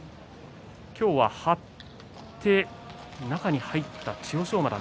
今日は張って中に入った千代翔馬。